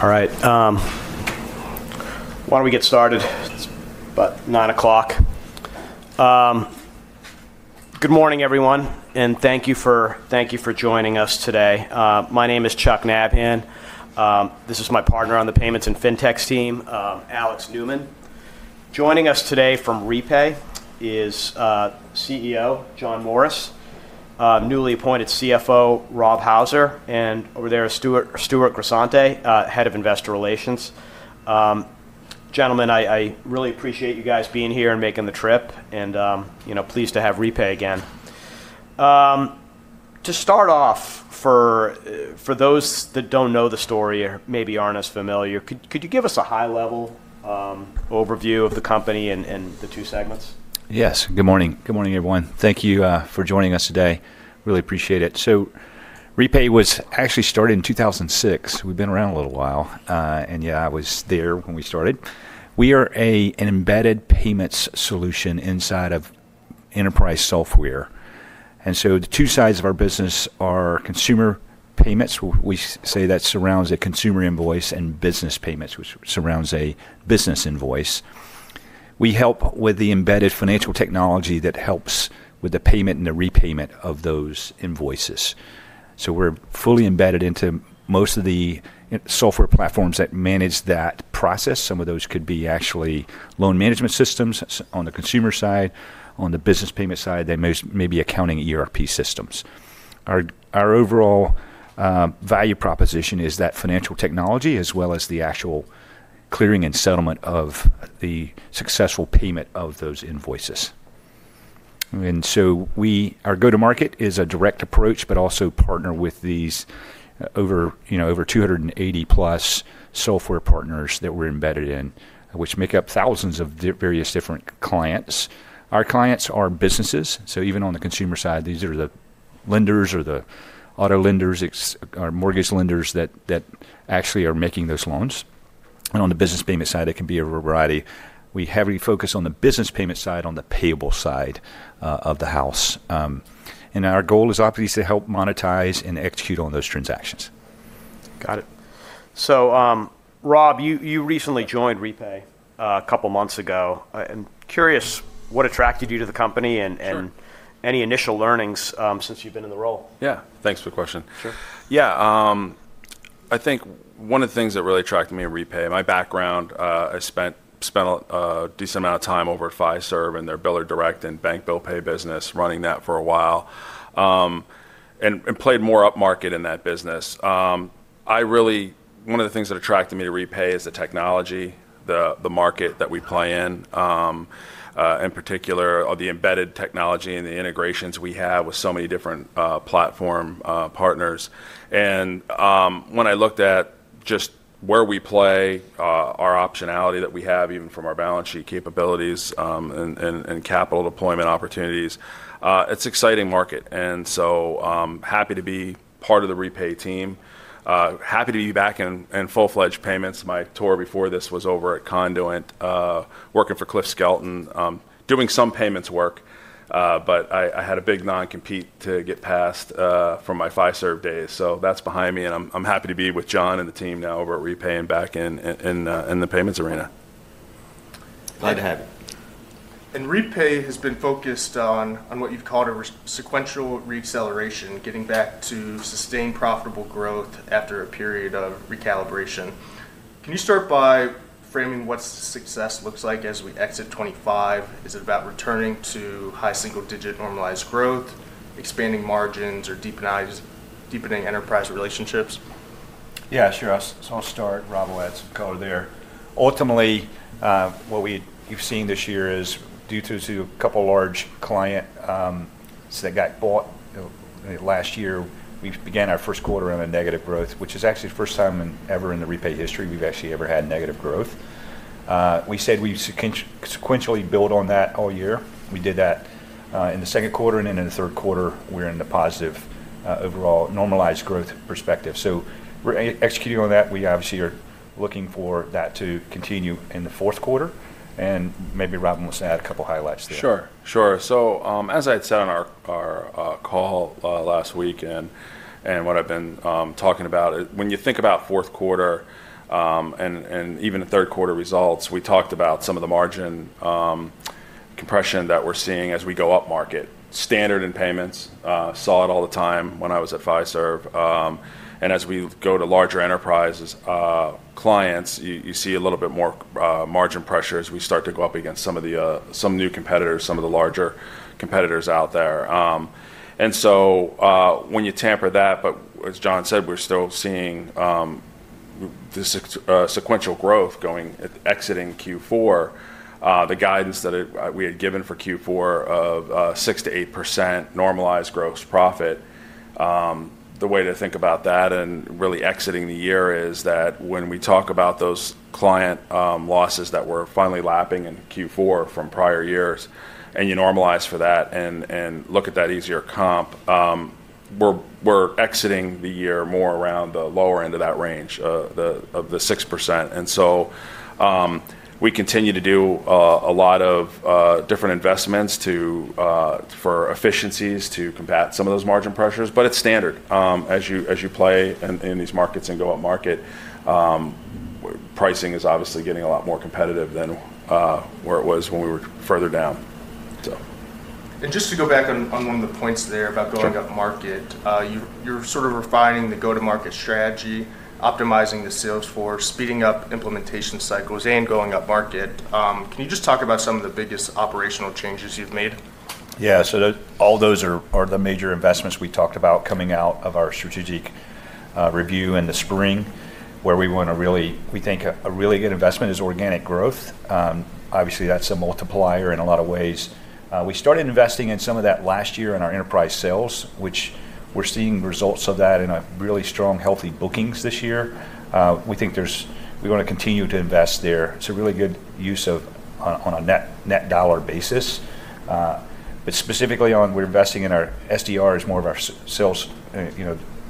All right. Why don't we get started? It's about 9:00. Good morning, everyone, and thank you for joining us today. My name is Chuck Nabhan. This is my partner on the payments and fintechs team, Alex Neumann. Joining us today from Repay is CEO John Morris, newly appointed CFO Rob Houser, and over there is Stewart Grissanti, head of investor relations. Gentlemen, I really appreciate you guys being here and making the trip, and pleased to have Repay again. To start off, for those that don't know the story or maybe aren't as familiar, could you give us a high-level overview of the company and the two segments? Yes. Good morning. Good morning, everyone. Thank you for joining us today. Really appreciate it. Repay was actually started in 2006. We've been around a little while, and yeah, I was there when we started. We are an embedded payments solution inside of enterprise software. The two sides of our business are consumer payments, which we say that surrounds a consumer invoice, and business payments, which surrounds a business invoice. We help with the embedded financial technology that helps with the payment and the repayment of those invoices. We're fully embedded into most of the software platforms that manage that process. Some of those could be actually loan management systems on the consumer side. On the business payment side, they may be accounting ERP systems. Our overall value proposition is that financial technology, as well as the actual clearing and settlement of the successful payment of those invoices. Our go-to-market is a direct approach, but also partner with these over 280-plus software partners that we're embedded in, which make up thousands of various different clients. Our clients are businesses. Even on the consumer side, these are the lenders or the auto lenders or mortgage lenders that actually are making those loans. On the business payment side, it can be a variety. We heavily focus on the business payment side, on the payable side of the house. Our goal is obviously to help monetize and execute on those transactions. Got it. Rob, you recently joined Repay a couple of months ago. I'm curious what attracted you to the company and any initial learnings since you've been in the role. Yeah. Thanks for the question. Sure. Yeah. I think one of the things that really attracted me to Repay, my background, I spent a decent amount of time over at Fiserv in their biller direct and bank bill pay business, running that for a while, and played more upmarket in that business. One of the things that attracted me to Repay is the technology, the market that we play in, in particular, the embedded technology and the integrations we have with so many different platform partners. When I looked at just where we play, our optionality that we have, even from our balance sheet capabilities and capital deployment opportunities, it is an exciting market. I am happy to be part of the Repay team, happy to be back in full-fledged payments. My tour before this was over at Conduent, working for Cliff Skelton, doing some payments work, but I had a big non-compete to get past from my Fiserv days. That's behind me, and I'm happy to be with John and the team now over at Repay and back in the payments arena. Glad to have you. Repay has been focused on what you've called a sequential reacceleration, getting back to sustained profitable growth after a period of recalibration. Can you start by framing what success looks like as we exit 2025? Is it about returning to high single-digit normalized growth, expanding margins, or deepening enterprise relationships? Yeah, sure. I'll start. Rob will add some color there. Ultimately, what we've seen this year is due to a couple of large clients that got bought last year, we began our first quarter on a negative growth, which is actually the first time ever in the Repay history we've actually ever had negative growth. We said we sequentially built on that all year. We did that in the second quarter, and then in the third quarter, we're in the positive overall normalized growth perspective. Executing on that, we obviously are looking for that to continue in the fourth quarter. Maybe Rob wants to add a couple of highlights there. Sure. Sure. As I had said on our call last week and what I've been talking about, when you think about fourth quarter and even the third quarter results, we talked about some of the margin compression that we're seeing as we go upmarket. Standard in payments, saw it all the time when I was at Fiserv. As we go to larger enterprises, clients, you see a little bit more margin pressure as we start to go up against some new competitors, some of the larger competitors out there. When you tamper that, but as John said, we're still seeing this sequential growth going exiting Q4. The guidance that we had given for Q4 of 6%-8% normalized gross profit, the way to think about that and really exiting the year is that when we talk about those client losses that were finally lapping in Q4 from prior years, and you normalize for that and look at that easier comp, we're exiting the year more around the lower end of that range of the 6%. We continue to do a lot of different investments for efficiencies to combat some of those margin pressures. It is standard as you play in these markets and go upmarket. Pricing is obviously getting a lot more competitive than where it was when we were further down. Just to go back on one of the points there about going upmarket, you're sort of refining the go-to-market strategy, optimizing the sales force, speeding up implementation cycles, and going upmarket. Can you just talk about some of the biggest operational changes you've made? Yeah. All those are the major investments we talked about coming out of our strategic review in the spring, where we want to really, we think a really good investment is organic growth. Obviously, that's a multiplier in a lot of ways. We started investing in some of that last year in our enterprise sales, which we're seeing results of that in really strong, healthy bookings this year. We think we want to continue to invest there. It's a really good use on a net dollar basis. Specifically, we're investing in our SDRs, more of our sales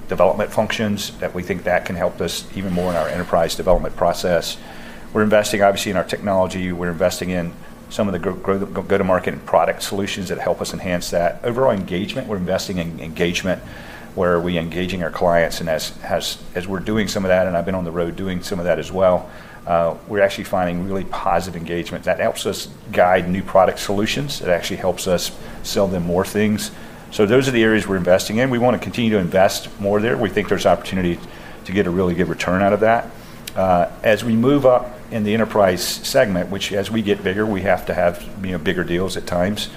development functions, that we think that can help us even more in our enterprise development process. We're investing, obviously, in our technology. We're investing in some of the go-to-market and product solutions that help us enhance that. Overall engagement, we're investing in engagement, where we're engaging our clients. As we're doing some of that, and I've been on the road doing some of that as well, we're actually finding really positive engagement. That helps us guide new product solutions. It actually helps us sell them more things. Those are the areas we're investing in. We want to continue to invest more there. We think there's opportunity to get a really good return out of that. As we move up in the enterprise segment, which as we get bigger, we have to have bigger deals at times,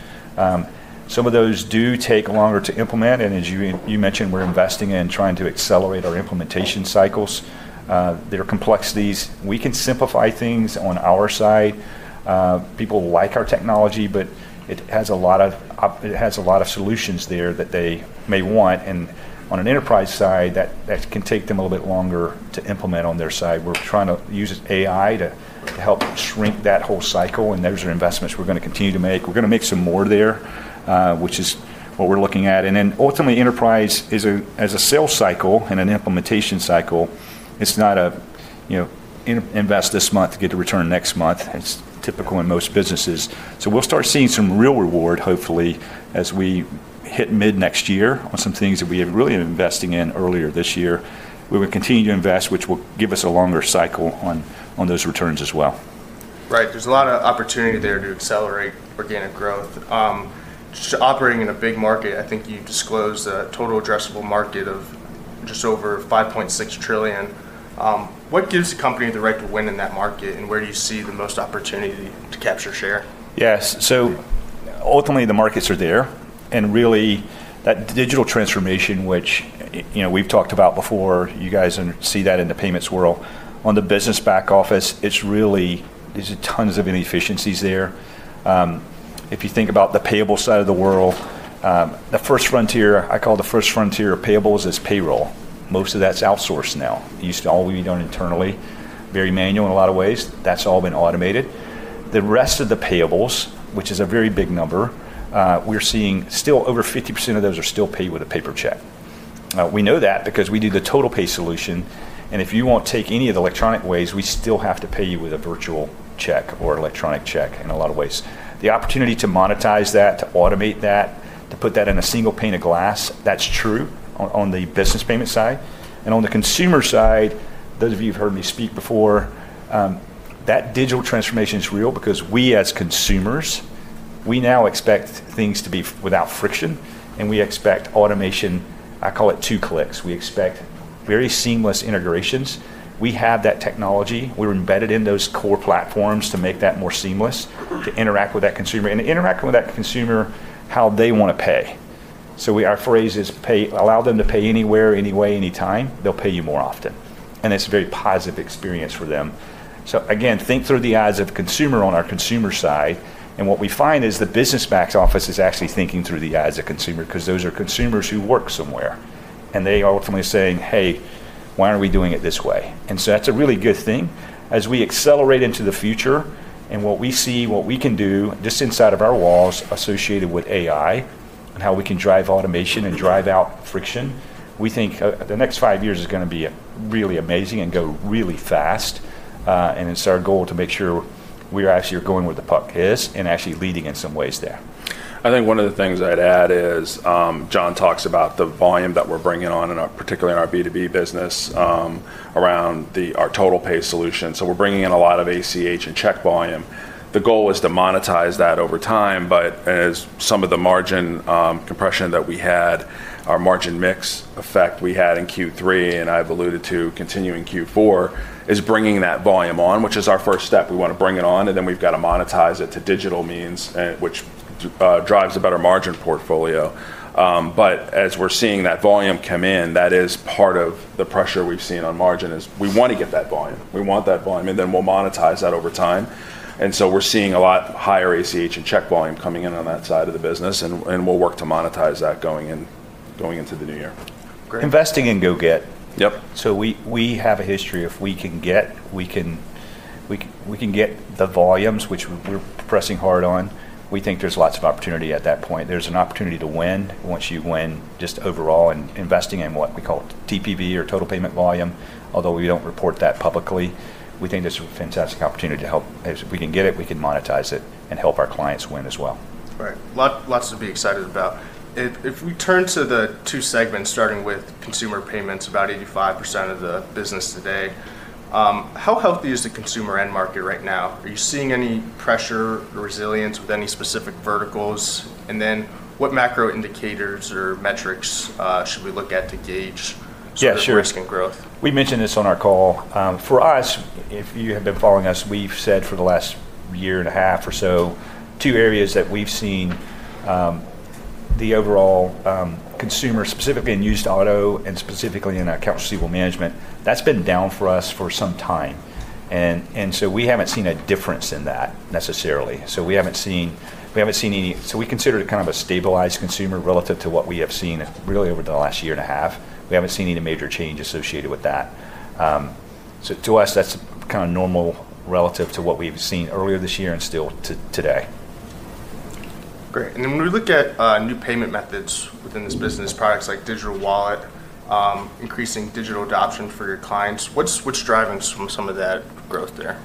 some of those do take longer to implement. As you mentioned, we're investing in trying to accelerate our implementation cycles. There are complexities. We can simplify things on our side. People like our technology, but it has a lot of solutions there that they may want. On an enterprise side, that can take them a little bit longer to implement on their side. We're trying to use AI to help shrink that whole cycle. Those are investments we're going to continue to make. We're going to make some more there, which is what we're looking at. Ultimately, enterprise is a sales cycle and an implementation cycle. It's not an invest this month to get the return next month. It's typical in most businesses. We will start seeing some real reward, hopefully, as we hit mid-next year on some things that we have really been investing in earlier this year. We will continue to invest, which will give us a longer cycle on those returns as well. Right. There's a lot of opportunity there to accelerate organic growth. Operating in a big market, I think you disclosed a total addressable market of just over $5.6 trillion. What gives the company the right to win in that market, and where do you see the most opportunity to capture share? Yes. Ultimately, the markets are there. Really, that digital transformation, which we've talked about before, you guys see that in the payments world. On the business back office, there are tons of inefficiencies there. If you think about the payable side of the world, the first frontier, I call the first frontier of payables, is payroll. Most of that is outsourced now. It used to all be done internally, very manual in a lot of ways. That has all been automated. The rest of the payables, which is a very big number, we're seeing still over 50% of those are still paid with a paper check. We know that because we do the Total Pay Solution. If you will not take any of the electronic ways, we still have to pay you with a virtual check or electronic check in a lot of ways. The opportunity to monetize that, to automate that, to put that in a single pane of glass, that is true on the business payment side. On the consumer side, those of you who have heard me speak before, that digital transformation is real because we, as consumers, we now expect things to be without friction, and we expect automation. I call it two clicks. We expect very seamless integrations. We have that technology. We are embedded in those core platforms to make that more seamless, to interact with that consumer, and interact with that consumer how they want to pay. Our phrase is, "Allow them to pay anywhere, any way, any time. They will pay you more often." It is a very positive experience for them. Again, think through the eyes of the consumer on our consumer side. What we find is the business back office is actually thinking through the eyes of consumers because those are consumers who work somewhere. They are ultimately saying, "Hey, why aren't we doing it this way?" That is a really good thing. As we accelerate into the future and what we see, what we can do just inside of our walls associated with AI and how we can drive automation and drive out friction, we think the next five years is going to be really amazing and go really fast. It is our goal to make sure we are actually going where the puck is and actually leading in some ways there. I think one of the things I'd add is John talks about the volume that we're bringing on, particularly in our B2B business around our Total Pay Solution. We're bringing in a lot of ACH and check volume. The goal is to monetize that over time. As some of the margin compression that we had, our margin mix effect we had in Q3, and I've alluded to continuing Q4, is bringing that volume on, which is our first step. We want to bring it on, and then we've got to monetize it to digital means, which drives a better margin portfolio. As we're seeing that volume come in, that is part of the pressure we've seen on margin is we want to get that volume. We want that volume, and then we'll monetize that over time. We're seeing a lot higher ACH and check volume coming in on that side of the business, and we'll work to monetize that going into the new year. Investing in go-get. We have a history of we can get the volumes, which we're pressing hard on. We think there's lots of opportunity at that point. There's an opportunity to win once you win just overall in investing in what we call TPV or total payment volume, although we don't report that publicly. We think there's a fantastic opportunity to help. If we can get it, we can monetize it and help our clients win as well. Right. Lots to be excited about. If we turn to the two segments, starting with consumer payments, about 85% of the business today, how healthy is the consumer end market right now? Are you seeing any pressure or resilience with any specific verticals? What macro indicators or metrics should we look at to gauge risk and growth? Yeah. We mentioned this on our call. For us, if you have been following us, we've said for the last year and a half or so, two areas that we've seen the overall consumer, specifically in used auto and specifically in accounts receivable management, that's been down for us for some time. We haven't seen a difference in that necessarily. We haven't seen any. We consider it kind of a stabilized consumer relative to what we have seen really over the last year and a half. We haven't seen any major change associated with that. To us, that's kind of normal relative to what we've seen earlier this year and still today. Great. When we look at new payment methods within this business, products like digital wallet, increasing digital adoption for your clients, what's driving some of that growth there?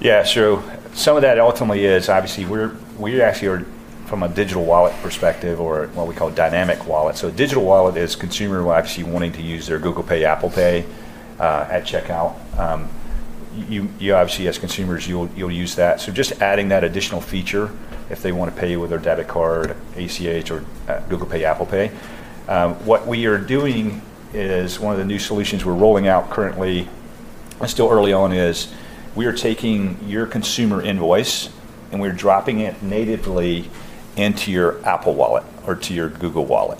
Yeah, sure. Some of that ultimately is, obviously, we actually are from a digital wallet perspective or what we call dynamic wallet. So digital wallet is consumer will actually be wanting to use their Google Pay, Apple Pay at checkout. You obviously, as consumers, you'll use that. Just adding that additional feature if they want to pay with their debit card, ACH, or Google Pay, Apple Pay. What we are doing is one of the new solutions we're rolling out currently, still early on, is we are taking your consumer invoice, and we're dropping it natively into your Apple Wallet or to your Google Wallet.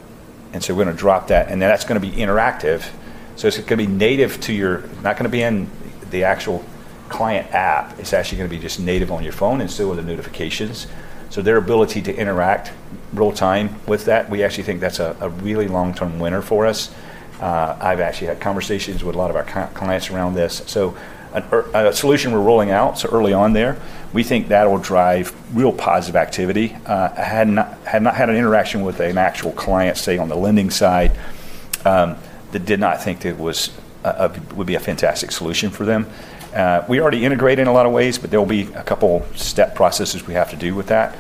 We're going to drop that. That is going to be interactive. It is going to be native to your not going to be in the actual client app. It's actually going to be just native on your phone and still with the notifications. Their ability to interact real time with that, we actually think that's a really long-term winner for us. I've actually had conversations with a lot of our clients around this. A solution we're rolling out so early on there, we think that will drive real positive activity. Had not had an interaction with an actual client, say, on the lending side, they did not think it would be a fantastic solution for them. We already integrate in a lot of ways, but there will be a couple of step processes we have to do with that.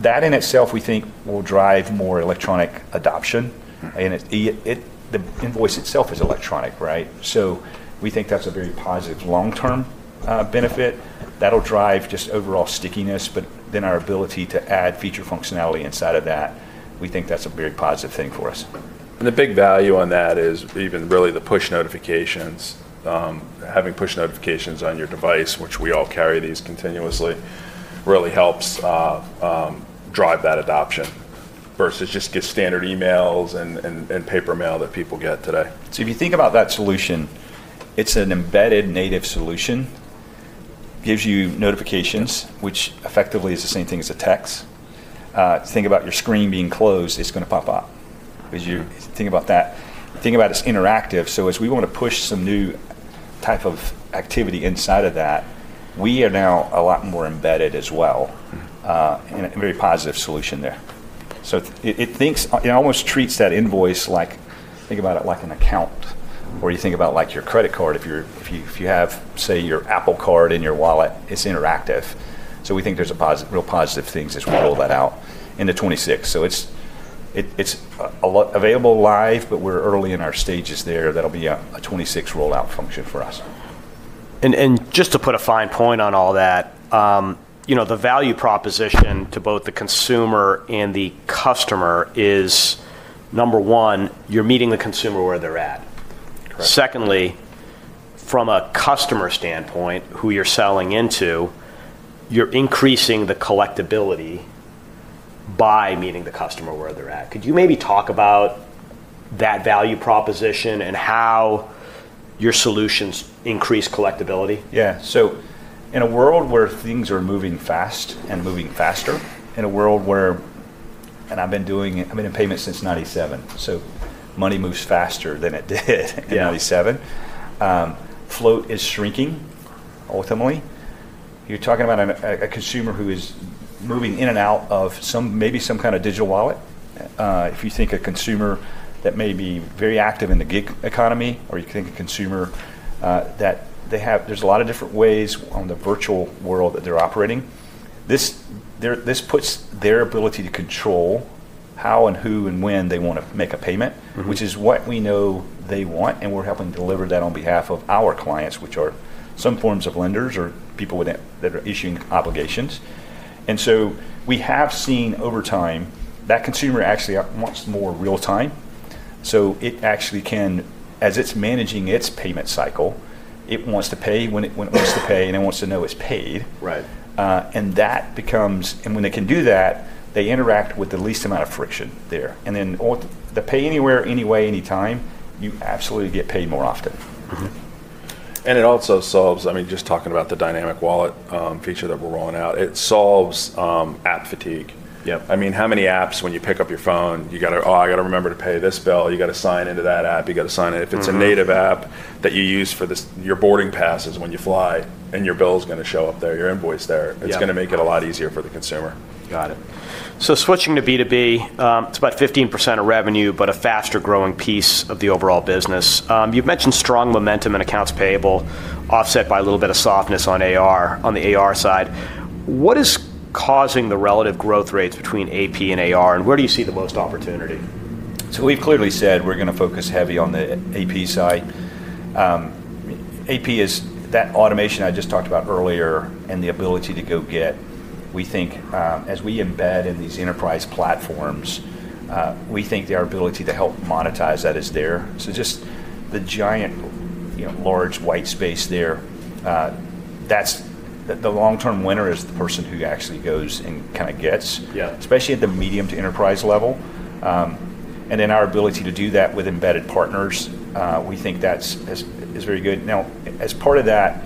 That in itself, we think, will drive more electronic adoption. The invoice itself is electronic, right? We think that's a very positive long-term benefit. That'll drive just overall stickiness, but then our ability to add feature functionality inside of that, we think that's a very positive thing for us. The big value on that is even really the push notifications. Having push notifications on your device, which we all carry these continuously, really helps drive that adoption versus just standard emails and paper mail that people get today. If you think about that solution, it's an embedded native solution. It gives you notifications, which effectively is the same thing as a text. Think about your screen being closed. It's going to pop up. Think about that. Think about it as interactive. As we want to push some new type of activity inside of that, we are now a lot more embedded as well. A very positive solution there. It almost treats that invoice like, think about it like an account, or you think about your credit card. If you have, say, your Apple Card in your wallet, it's interactive. We think there's real positive things as we roll that out into 2026. It's available live, but we're early in our stages there. That will be a 2026 rollout function for us. Just to put a fine point on all that, the value proposition to both the consumer and the customer is, number one, you're meeting the consumer where they're at. Secondly, from a customer standpoint, who you're selling into, you're increasing the collectibility by meeting the customer where they're at. Could you maybe talk about that value proposition and how your solutions increase collectibility? Yeah. In a world where things are moving fast and moving faster, in a world where I've been in payments since 1997. Money moves faster than it did in 1997. Float is shrinking ultimately. You're talking about a consumer who is moving in and out of maybe some kind of digital wallet. If you think a consumer that may be very active in the gig economy, or you think a consumer that there's a lot of different ways on the virtual world that they're operating. This puts their ability to control how and who and when they want to make a payment, which is what we know they want. We're helping deliver that on behalf of our clients, which are some forms of lenders or people that are issuing obligations. We have seen over time that consumer actually wants more real time. It actually can, as it's managing its payment cycle, it wants to pay when it wants to pay, and it wants to know it's paid. That becomes, and when they can do that, they interact with the least amount of friction there. The pay anywhere, any way, any time, you absolutely get paid more often. It also solves, I mean, just talking about the dynamic wallet feature that we're rolling out, it solves app fatigue. I mean, how many apps, when you pick up your phone, you got to, "Oh, I got to remember to pay this bill." You got to sign into that app. You got to sign in. If it's a native app that you use for your boarding passes when you fly, and your bill is going to show up there, your invoice there, it's going to make it a lot easier for the consumer. Got it. Switching to B2B, it's about 15% of revenue, but a faster growing piece of the overall business. You've mentioned strong momentum in accounts payable, offset by a little bit of softness on the AR side. What is causing the relative growth rates between AP and AR, and where do you see the most opportunity? We have clearly said we are going to focus heavy on the AP side. AP is that automation I just talked about earlier and the ability to go get. We think as we embed in these enterprise platforms, we think their ability to help monetize that is there. Just the giant large white space there, the long-term winner is the person who actually goes and kind of gets, especially at the medium to enterprise level. Our ability to do that with embedded partners, we think that is very good. As part of that,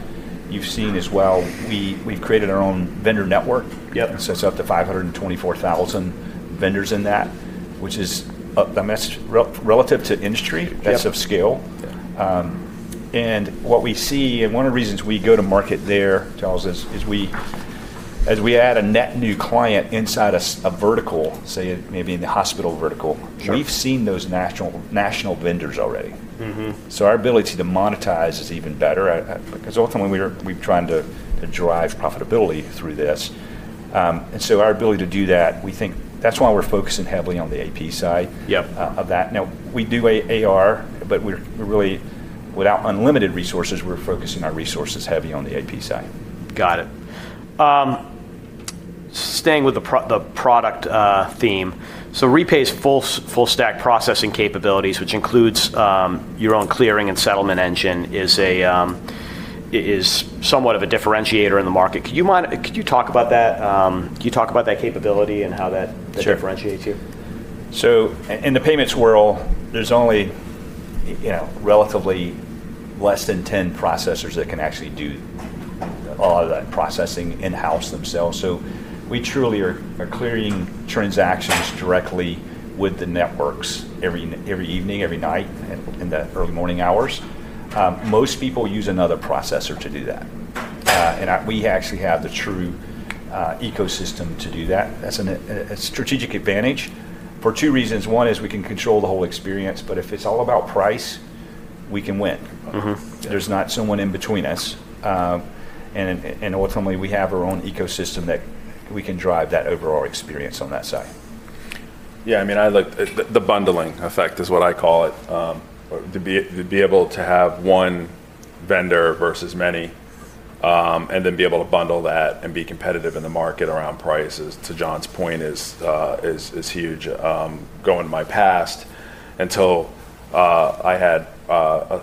you have seen as well, we have created our own vendor network. It is up to 524,000 vendors in that, which is relative to industry. That is of scale. What we see, and one of the reasons we go to market there, tells us as we add a net new client inside a vertical, say, maybe in the hospital vertical, we've seen those national vendors already. Our ability to monetize is even better because ultimately we're trying to drive profitability through this. Our ability to do that, we think that's why we're focusing heavily on the AP side of that. Now, we do AR, but without unlimited resources, we're focusing our resources heavy on the AP side. Got it. Staying with the product theme, Repay's full-stack processing capabilities, which includes your own clearing and settlement engine, is somewhat of a differentiator in the market. Could you talk about that? Can you talk about that capability and how that differentiates you? Sure. In the payments world, there's only relatively less than 10 processors that can actually do all of that processing in-house themselves. We truly are clearing transactions directly with the networks every evening, every night, in the early morning hours. Most people use another processor to do that. We actually have the true ecosystem to do that. That's a strategic advantage for two reasons. One is we can control the whole experience, but if it's all about price, we can win. There's not someone in between us. Ultimately, we have our own ecosystem that we can drive that overall experience on that side. Yeah. I mean, the bundling effect is what I call it. To be able to have one vendor versus many and then be able to bundle that and be competitive in the market around prices, to John's point, is huge. Going to my past, until I had a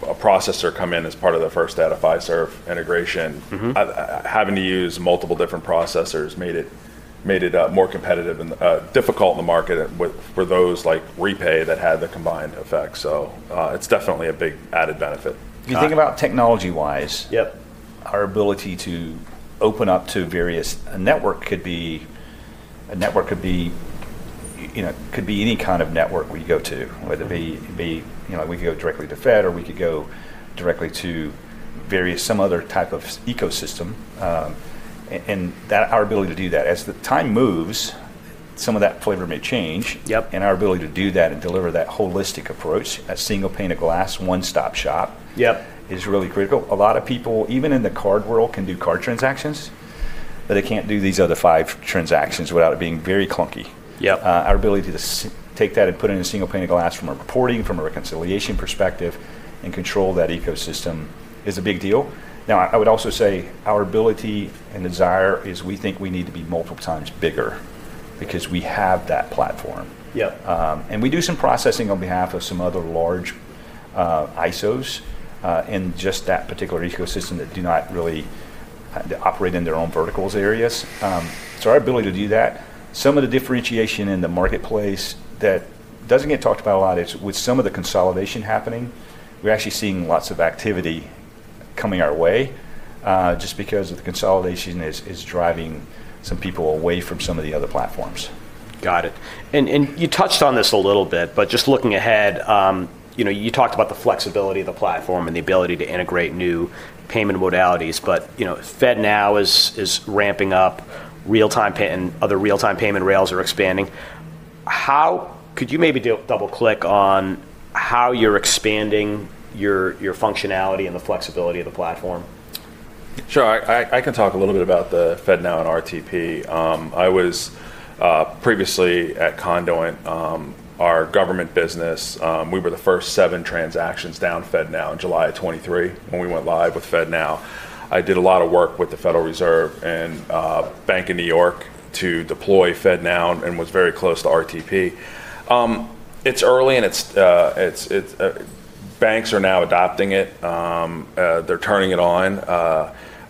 processor come in as part of the first Fiserv integration, having to use multiple different processors made it more competitive and difficult in the market for those like Repay that had the combined effect. So it's definitely a big added benefit. If you think about technology-wise, our ability to open up to various networks could be any kind of network we go to, whether it be we could go directly to Fed or we could go directly to some other type of ecosystem. Our ability to do that, as time moves, some of that flavor may change. Our ability to do that and deliver that holistic approach, a single pane of glass, one-stop shop, is really critical. A lot of people, even in the card world, can do card transactions, but they can't do these other five transactions without it being very clunky. Our ability to take that and put it in a single pane of glass from a reporting, from a reconciliation perspective, and control that ecosystem is a big deal. Now, I would also say our ability and desire is we think we need to be multiple times bigger because we have that platform. We do some processing on behalf of some other large ISOs in just that particular ecosystem that do not really operate in their own verticals areas. Our ability to do that, some of the differentiation in the marketplace that does not get talked about a lot is with some of the consolidation happening, we are actually seeing lots of activity coming our way just because the consolidation is driving some people away from some of the other platforms. Got it. You touched on this a little bit, but just looking ahead, you talked about the flexibility of the platform and the ability to integrate new payment modalities. FedNow is ramping up real-time payment, and other real-time payment rails are expanding. Could you maybe double-click on how you're expanding your functionality and the flexibility of the platform? Sure. I can talk a little bit about the FedNow and RTP. I was previously at Conduent, our government business. We were the first seven transactions down FedNow in July 2023 when we went live with FedNow. I did a lot of work with the Federal Reserve and Bank of New York to deploy FedNow and was very close to RTP. It's early, and banks are now adopting it. They're turning it on.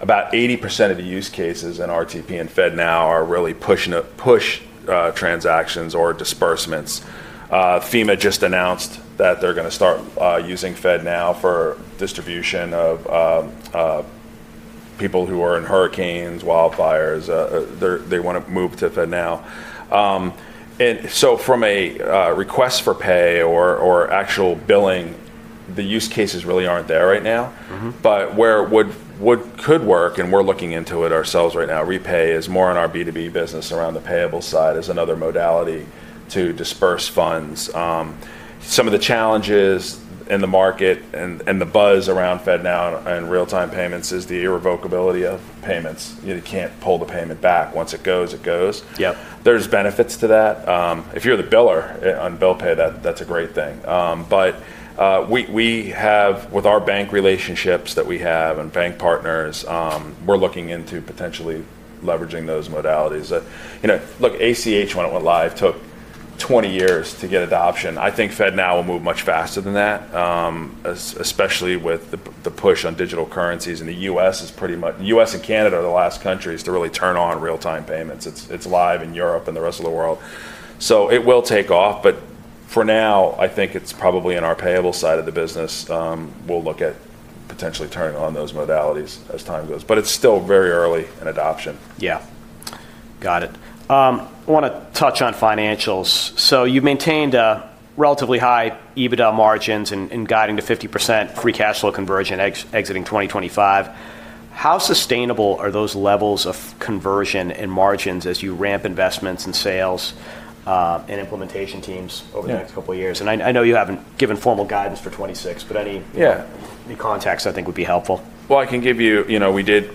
About 80% of the use cases in RTP and FedNow are really push transactions or disbursements. FEMA just announced that they're going to start using FedNow for distribution of people who are in hurricanes, wildfires. They want to move to FedNow. From a request for pay or actual billing, the use cases really aren't there right now. Where it could work, and we're looking into it ourselves right now, Repay is more on our B2B business around the payable side as another modality to disburse funds. Some of the challenges in the market and the buzz around FedNow and real-time payments is the irrevocability of payments. You can't pull the payment back. Once it goes, it goes. There's benefits to that. If you're the biller on Bill Pay, that's a great thing. With our bank relationships that we have and bank partners, we're looking into potentially leveraging those modalities. Look, ACH, when it went live, took 20 years to get adoption. I think FedNow will move much faster than that, especially with the push on digital currencies in the U.S. The U.S. and Canada are the last countries to really turn on real-time payments. It's live in Europe and the rest of the world. It will take off. For now, I think it's probably in our payable side of the business. We'll look at potentially turning on those modalities as time goes. It's still very early in adoption. Yeah. Got it. I want to touch on financials. You have maintained relatively high EBITDA margins and guiding to 50% free cash flow conversion exiting 2025. How sustainable are those levels of conversion and margins as you ramp investments and sales and implementation teams over the next couple of years? I know you have not given formal guidance for 2026, but any context, I think, would be helpful. I can give you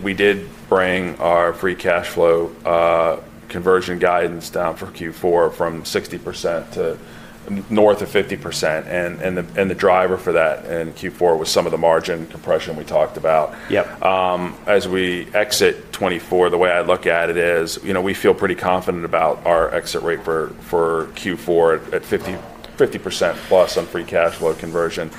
we did bring our free cash flow conversion guidance down for Q4 from 60% to north of 50%. The driver for that in Q4 was some of the margin compression we talked about. As we exit 2024, the way I look at it is we feel pretty confident about our exit rate for Q4 at 50%+ on free cash flow conversion.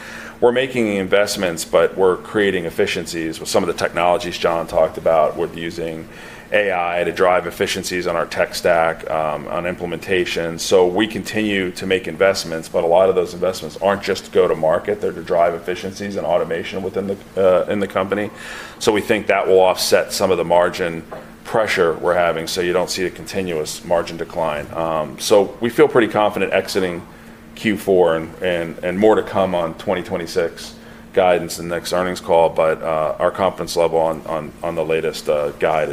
We're making investments, but we're creating efficiencies with some of the technologies John talked about. We're using AI to drive efficiencies on our tech stack, on implementation. We continue to make investments, but a lot of those investments aren't just to go to market. They're to drive efficiencies and automation within the company. We think that will offset some of the margin pressure we're having so you don't see a continuous margin decline. We feel pretty confident exiting Q4 and more to come on 2026 guidance and next earnings call. Our confidence level on the latest guide,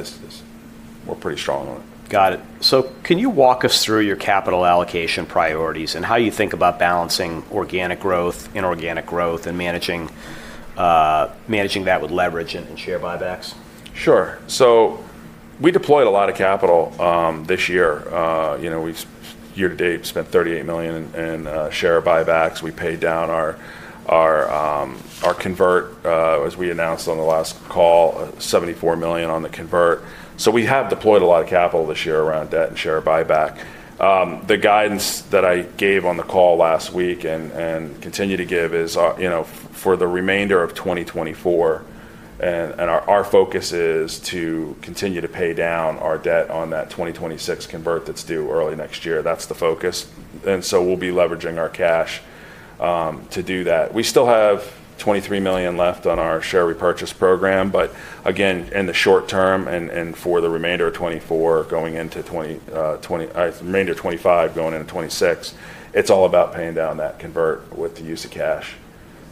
we're pretty strong on it. Got it. Can you walk us through your capital allocation priorities and how you think about balancing organic growth, inorganic growth, and managing that with leverage and share buybacks? Sure. We deployed a lot of capital this year. We've year-to-date spent $38 million in share buybacks. We paid down our convert, as we announced on the last call, $74 million on the convert. We have deployed a lot of capital this year around debt and share buyback. The guidance that I gave on the call last week and continue to give is for the remainder of 2024. Our focus is to continue to pay down our debt on that 2026 convert that's due early next year. That's the focus. We will be leveraging our cash to do that. We still have $23 million left on our share repurchase program. Again, in the short term and for the remainder of 2024, going into 2025, going into 2026, it's all about paying down that convert with the use of cash.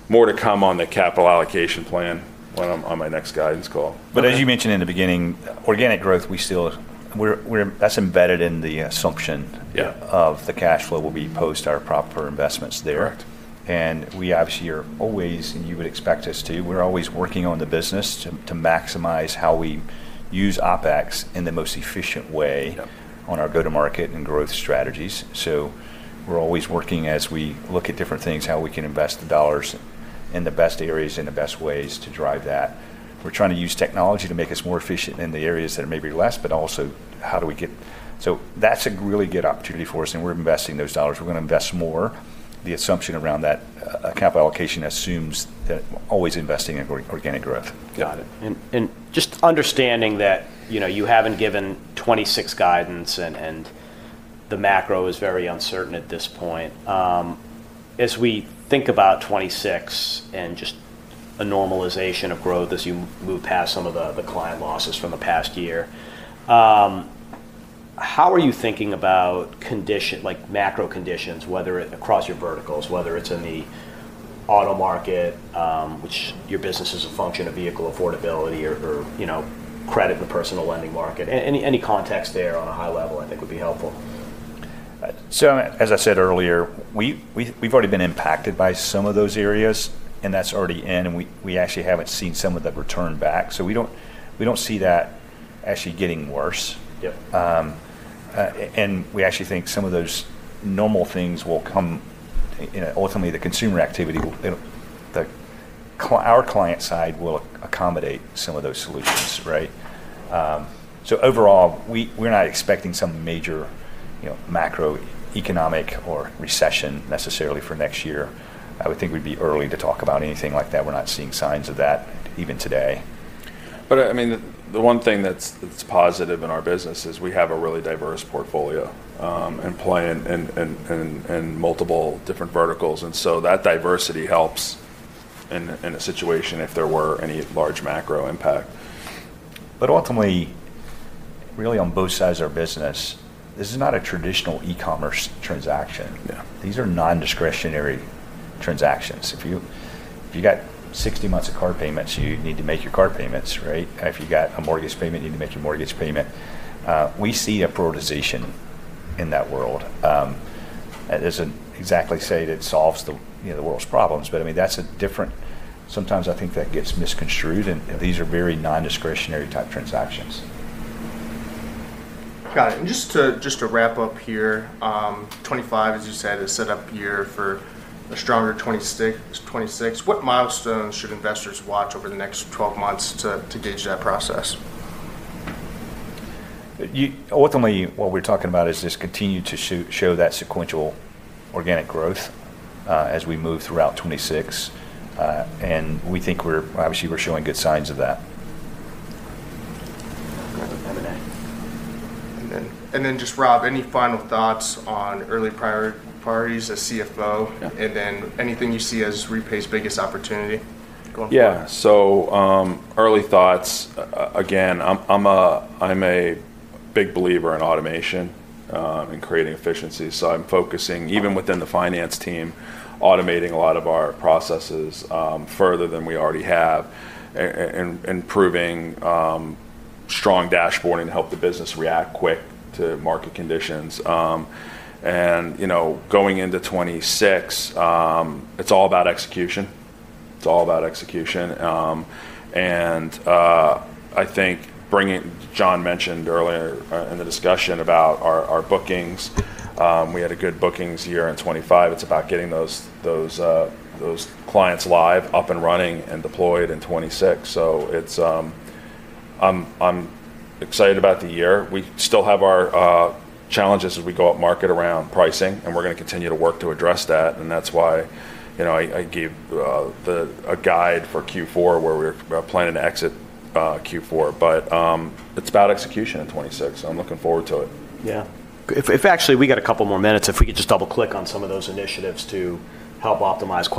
More to come on the capital allocation plan when I'm on my next guidance call. As you mentioned in the beginning, organic growth, that's embedded in the assumption of the cash flow will be post our proper investments there. We obviously are always, and you would expect us to, we're always working on the business to maximize how we use OpEx in the most efficient way on our go-to-market and growth strategies. We're always working as we look at different things, how we can invest the dollars in the best areas and the best ways to drive that. We're trying to use technology to make us more efficient in the areas that are maybe less, but also how do we get so that's a really good opportunity for us. We're investing those dollars. We're going to invest more. The assumption around that capital allocation assumes always investing in organic growth. Got it. Just understanding that you have not given 2026 guidance and the macro is very uncertain at this point. As we think about 2026 and just a normalization of growth as you move past some of the client losses from the past year, how are you thinking about macro conditions, whether across your verticals, whether it is in the auto market, which your business is a function of vehicle affordability or credit in the personal lending market? Any context there on a high level, I think, would be helpful. As I said earlier, we've already been impacted by some of those areas, and that's already in. We actually haven't seen some of that return back. We don't see that actually getting worse. We actually think some of those normal things will come. Ultimately, the consumer activity, our client side will accommodate some of those solutions, right? Overall, we're not expecting some major macroeconomic or recession necessarily for next year. I would think we'd be early to talk about anything like that. We're not seeing signs of that even today. I mean, the one thing that's positive in our business is we have a really diverse portfolio and multiple different verticals. That diversity helps in a situation if there were any large macro impact. Ultimately, really on both sides of our business, this is not a traditional e-commerce transaction. These are non-discretionary transactions. If you got 60 months of card payments, you need to make your card payments, right? If you got a mortgage payment, you need to make your mortgage payment. We see a prioritization in that world. It does not exactly say that it solves the world's problems. I mean, that is a different, sometimes I think that gets misconstrued. These are very non-discretionary type transactions. Got it. Just to wrap up here, 2025, as you said, is set up year for a stronger 2026. What milestones should investors watch over the next 12 months to gauge that process? Ultimately, what we're talking about is just continue to show that sequential organic growth as we move throughout 2026. We think we're obviously showing good signs of that. Rob, any final thoughts on early priorities as CFO and then anything you see as Repay's biggest opportunity? Yeah. Early thoughts, again, I'm a big believer in automation and creating efficiencies. I'm focusing, even within the finance team, automating a lot of our processes further than we already have, improving strong dashboarding to help the business react quick to market conditions. Going into 2026, it's all about execution. It's all about execution. I think John mentioned earlier in the discussion about our bookings. We had a good bookings year in 2025. It's about getting those clients live, up and running, and deployed in 2026. I'm excited about the year. We still have our challenges as we go up market around pricing, and we're going to continue to work to address that. That's why I gave a guide for Q4 where we're planning to exit Q4. It's about execution in 2026. I'm looking forward to it. Yeah. If actually we got a couple more minutes, if we could just double-click on some of those initiatives to help optimize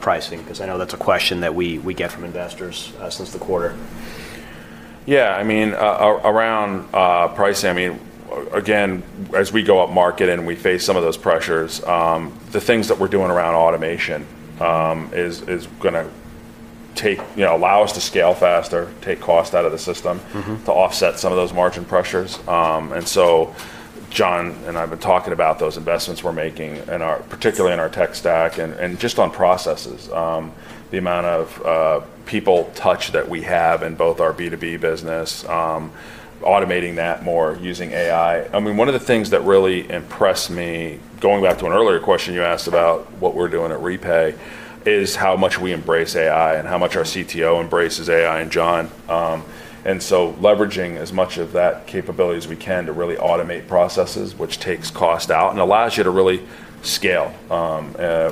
pricing because I know that's a question that we get from investors since the quarter. Yeah. I mean, around pricing, I mean, again, as we go up market and we face some of those pressures, the things that we're doing around automation is going to allow us to scale faster, take cost out of the system to offset some of those margin pressures. John and I have been talking about those investments we're making, particularly in our tech stack and just on processes, the amount of people touch that we have in both our B2B business, automating that more, using AI. I mean, one of the things that really impressed me, going back to an earlier question you asked about what we're doing at Repay, is how much we embrace AI and how much our CTO embraces AI and John. Leveraging as much of that capability as we can to really automate processes, which takes cost out and allows you to really scale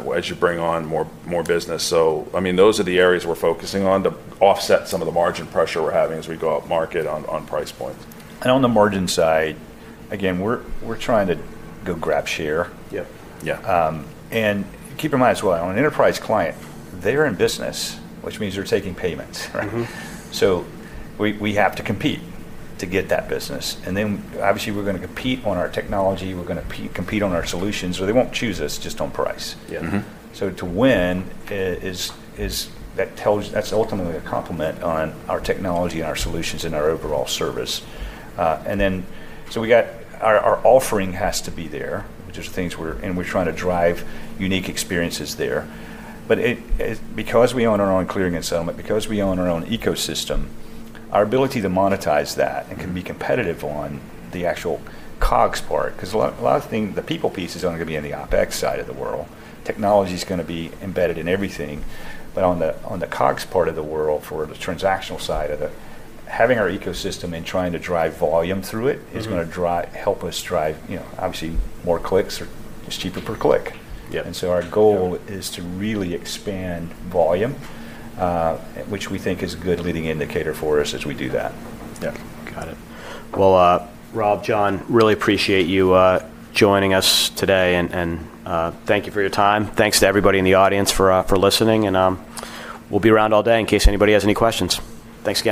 as you bring on more business. I mean, those are the areas we're focusing on to offset some of the margin pressure we're having as we go up market on price points. On the margin side, again, we're trying to go grab share. Keep in mind as well, on an enterprise client, they're in business, which means they're taking payments. We have to compete to get that business. Obviously, we're going to compete on our technology. We're going to compete on our solutions. They won't choose us just on price. To win, that's ultimately a complement on our technology and our solutions and our overall service. Our offering has to be there, which is things we're and we're trying to drive unique experiences there. Because we own our own clearing and settlement, because we own our own ecosystem, our ability to monetize that and can be competitive on the actual COGS part because a lot of the people piece is only going to be in the OpEx side of the world. Technology is going to be embedded in everything. On the COGS part of the world, for the transactional side of it, having our ecosystem and trying to drive volume through it is going to help us drive obviously more clicks or it's cheaper per click. Our goal is to really expand volume, which we think is a good leading indicator for us as we do that. Got it. Rob, John, really appreciate you joining us today. Thank you for your time. Thanks to everybody in the audience for listening. We'll be around all day in case anybody has any questions. Thanks, guys.